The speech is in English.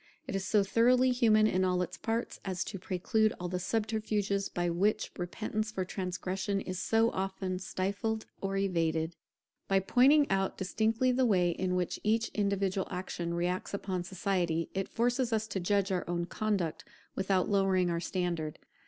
It is so thoroughly human in all its parts, as to preclude all the subterfuges by which repentance for transgression is so often stifled or evaded. By pointing out distinctly the way in which each individual action reacts upon society, it forces us to judge our own conduct without lowering our standard.